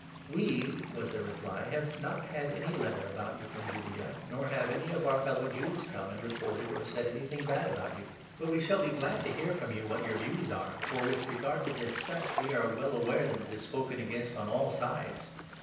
" We," was their reply, " have not had any letter about you from Judaea, nor have any of our fellow Jews come and reported or said anything bad about you. But we shall be THE ACTS, 28. 269 glad to hear from you what your views are, for, with regard to this sect, we are well aware that it is spoken against on all sides."